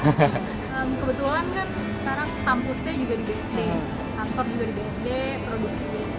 kebetulan kan sekarang kampusnya juga di bsd kantor juga di bsd produksi bsd